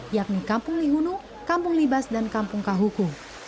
yakni kampung lihunu kampung libas dan kampung kahuku